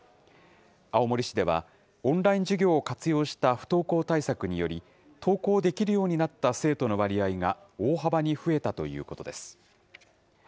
青森市では、オンライン授業を活用した不登校対策により、登校できるようになった生徒の割合が大幅に増えたということです。